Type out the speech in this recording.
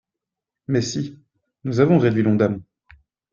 Mais si, nous avons réduit l’ONDAM